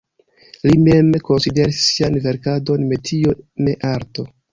Li mem konsideris sian verkadon metio, ne arto.